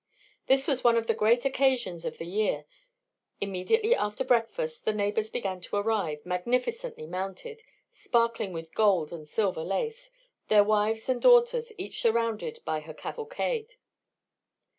This was one of the great occasions of the year. Immediately after breakfast the neighbours began to arrive, magnificently mounted, sparkling with gold and silver lace, their wives and daughters each surrounded by her cavalcade.